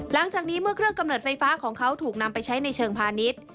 หลังจากนี้เมื่อเครื่องกำเนิดไฟฟ้าของเขาถูกนำไปใช้ในเชิงพาณิชย์